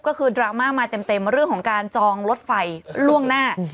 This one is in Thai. ก็คือดราม่ามาเต็มเรื่องของการจองรถไฟล่วงหน้า